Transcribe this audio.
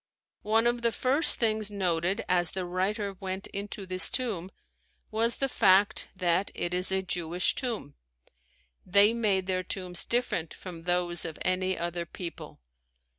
One of the first things noted as the writer went into this tomb was the fact that it is a Jewish tomb. They made their tombs different from those of any other people.